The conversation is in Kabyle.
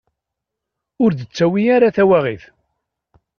Ur d-ttawi ara tawiɣt.